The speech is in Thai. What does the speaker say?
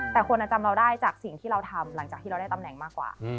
แต่คนจำเราได้จากสิ่งที่เราทำหลังจากที่เราได้ตำแหน่งมากกว่า